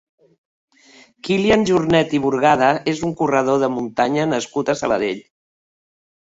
Kílian Jornet i Burgada és un corredor de muntanya nascut a Sabadell.